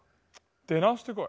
出直してこい。